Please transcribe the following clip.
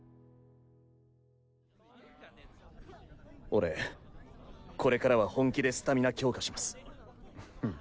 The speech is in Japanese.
俺これからは本気でスタミナ強化します。